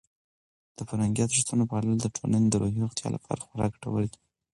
د فرهنګي ارزښتونو پالل د ټولنې د روحي روغتیا لپاره خورا ګټور دي.